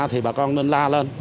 thì bà con nên la lên